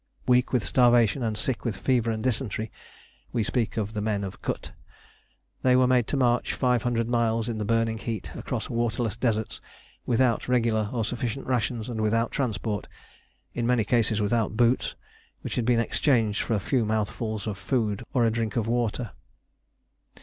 Weak with starvation, and sick with fever and dysentery (we speak of the men of Kut), they were made to march five hundred miles in the burning heat across waterless deserts, without regular or sufficient rations and without transport in many cases without boots, which had been exchanged for a few mouthfuls of food or a drink of water.